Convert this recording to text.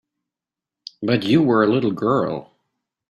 But you were a little girl.